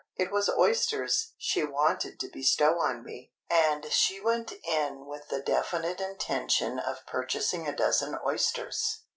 It was oysters she wanted to bestow on me, and she went in with the definite intention of purchasing a dozen oysters.